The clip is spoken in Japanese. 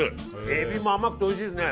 エビも甘くておいしいですね。